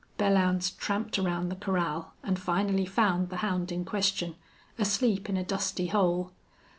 Belllounds tramped around the corral, and finally found the hound in question, asleep in a dusty hole.